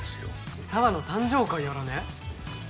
沙和の誕生会やらね？